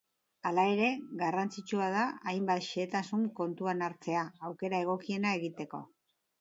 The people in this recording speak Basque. Hala ere, garrantzitsua da hainbat xehetasun kontuan hartzea aukera egokiena egiteko.